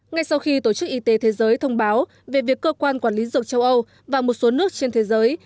ngay sau khi tổ chức y tế thế giới thông báo về việc cơ quan quản lý dược châu âu và một số nước trên thế giới